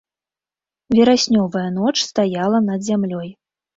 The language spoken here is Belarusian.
Вераснёвая ноч стаяла над зямлёй.